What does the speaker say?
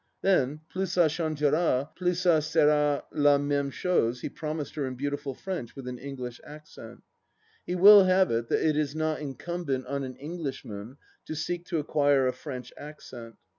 Then — Plus ga changera, plus ca sera la mime chose he promised her in beautiful French with an English accent. He wUl have it that it is not incumbent on an Englishman to seek to acquire a French accent.